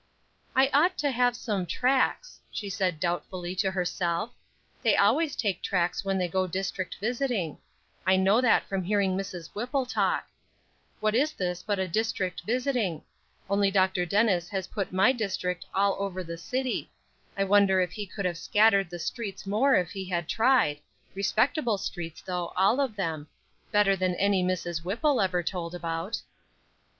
"I ought to have some tracts," she said, doubtfully, to herself; "they always take tracts when they go district visiting; I know that from hearing Mrs. Whipple talk; what is this but a district visiting; only Dr. Dennis has put my district all over the city; I wonder if he could have scattered the streets more if he had tried; respectable streets, though, all of them; better than any Mrs. Whipple ever told about."